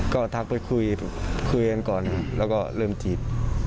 ก็ทักไปคุยกันก่อนแล้วก็เริ่มจีบ